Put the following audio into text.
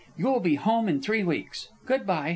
You will be home in three weeks. Good by."